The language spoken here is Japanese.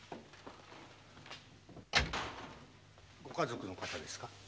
ご家族の方ですか？